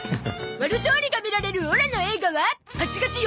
ワル桃李が見られるオラの映画は８月４日公開！